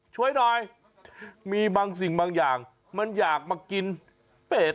ช่วยหน่อยมีบางสิ่งบางอย่างมันอยากมากินเป็ด